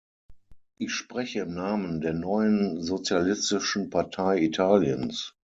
Ich spreche im Namen der Neuen Sozialistischen Partei Italiens.